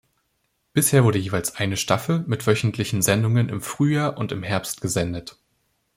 Bisher wurde jeweils eine Staffel mit wöchentlichen Sendungen im Frühjahr und im Herbst gesendet.